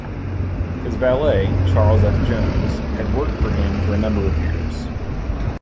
His valet, Charles F. Jones, had worked for him for a number of years.